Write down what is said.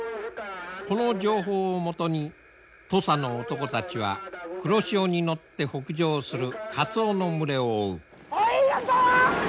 この情報をもとに土佐の男たちは黒潮に乗って北上するカツオの群れを追う。